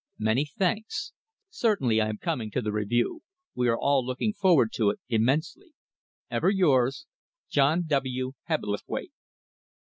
"Many thanks. Certainly I am coming to the Review. We are all looking forward to it immensely. "Ever yours, "JOHN W. HEBBLETHWAITE."